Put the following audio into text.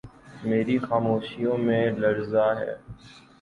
میری خاموشیوں میں لرزاں ہے